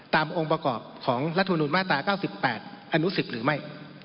องค์ประกอบของรัฐมนุนมาตรา๙๘อนุ๑๐หรือไม่